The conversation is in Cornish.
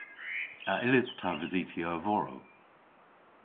A yllydh ta vysytya a-vorow?